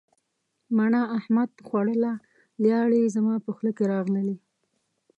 مڼه احمد خوړله لیاړې زما په خوله کې راغللې.